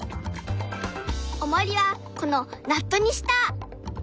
おもりはこのナットにした。